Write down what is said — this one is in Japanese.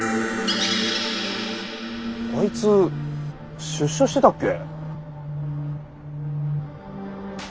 あいつ出所してたっけ？